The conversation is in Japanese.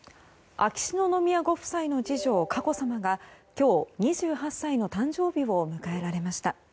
秋篠宮ご夫妻の次女佳子さまが今日、２８歳の誕生日を迎えられました。